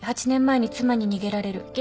８年前に妻に逃げられる。